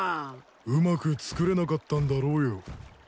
うまく作れなかったんだろうよ。